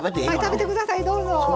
食べて下さいどうぞ。